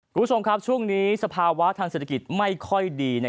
คุณผู้ชมครับช่วงนี้สภาวะทางเศรษฐกิจไม่ค่อยดี